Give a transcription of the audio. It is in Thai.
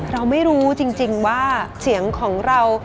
เราไม่รู้จริงว่าเสียงของเรา